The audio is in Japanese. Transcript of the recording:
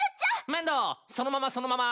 面堂そのままそのまま。